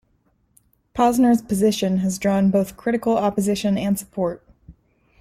Posner's position has drawn both critical opposition and support.